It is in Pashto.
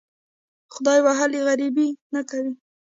خدای وهلي غریبي نه کوي.